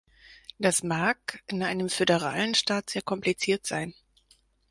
Das mag in einem föderalen Staat sehr kompliziert sein.